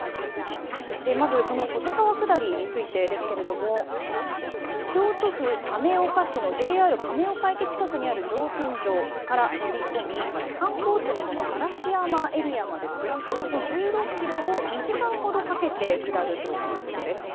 まずこの保津川下りについてですが京都府亀岡市のＪＲ亀岡駅近くにある乗船場から乗り込み観光地の嵐山エリアまでおよそ１６ｋｍを２時間ほどかけて下るということです。